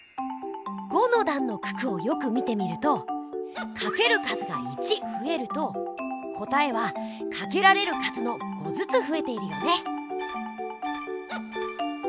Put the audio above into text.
５のだんの九九をよく見てみるとかける数が１ふえると答えはかけられる数の５ずつふえているよね！